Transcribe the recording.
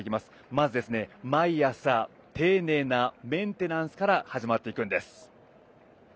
まず、毎朝丁寧なメンテナンスから始まっていくんです。